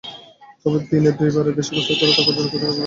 তবে দিনে দুবারের বেশি গোসল করা ত্বকের জন্য ক্ষতিকর বললেন আখতারুন নাহার।